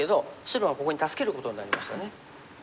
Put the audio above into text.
白がここに助けることになりましたね。